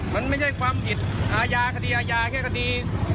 มันไม่ใช่ความผิดอาญาคดีอาญาแค่คดี